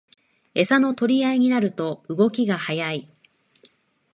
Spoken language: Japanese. エサの取り合いになると動きが速い